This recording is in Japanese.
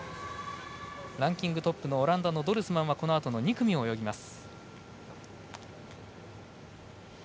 ランキングトップのオランダのドルスマンはこのあとの２組を泳ぎます。